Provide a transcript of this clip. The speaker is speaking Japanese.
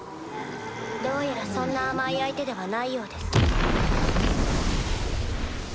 どうやらそんな甘い相手ではないようです。